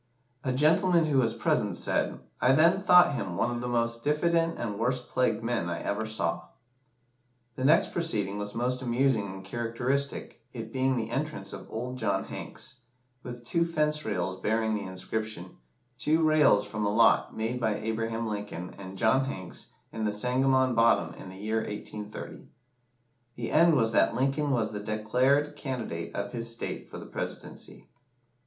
A gentleman who was present said "I then thought him one of the most diffident and worst plagued men I ever saw." The next proceeding was most amusing and characteristic, it being the entrance of "Old John Hanks," with two fence rails bearing the inscription Two Rails from a lot made by Abraham Lincoln and John Hanks in the Sangamon bottom in the year 1830. The end was that Lincoln was the declared candidate of his state for the Presidency.